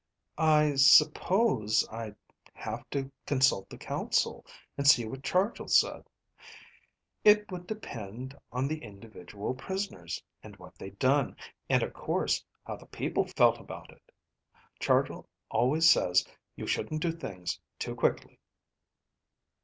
"I suppose I'd have to consult the council, and see what Chargill said. It would depend on the individual prisoners, and what they'd done; and of course how the people felt about it. Chargill always says you shouldn't do things too quickly